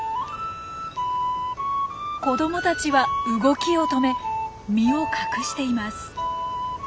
子どもたちは動きを止め身を隠しています。